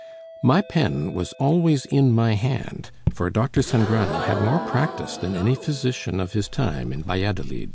My pen was always in my hand, for Dr. Sangrado had more practise than any physician of his time in Valladolid.